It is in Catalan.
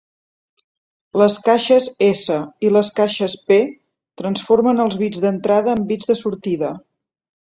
Les caixes S i les caixes P transformen els bits d'entrada en bits de sortida.